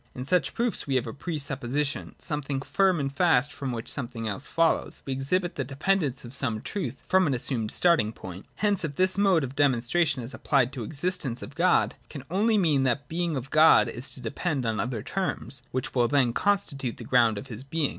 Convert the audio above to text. In such proofs we have a pre supposition — something firm and fast, from which something else follows ; we exhibit the de pendence of some truth from an assumed starting point. Hence, if this mode of demonstration is apphed to the exist ence of God, it can only mean that the being of God is to depend on other terms, which will then constitute the ground of his being.